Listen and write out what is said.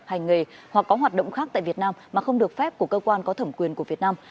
hành nghề hoặc có hoạt động khác tại việt nam mà không được phép của cơ quan có thẩm quyền của việt nam